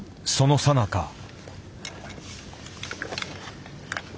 そのさなか。